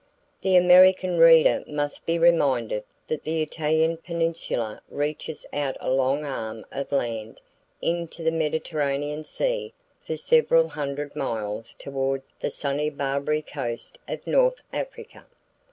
The American reader must be reminded that the Italian peninsula reaches out a long arm of land into the Mediterranean Sea for several hundred miles toward the sunny Barbary coast of North Africa.